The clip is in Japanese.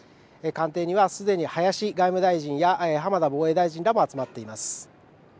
官邸にはすでに林外務大臣や浜田防衛大臣らが集まっています。